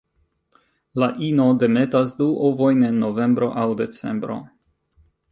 La ino demetas du ovojn en novembro aŭ decembro.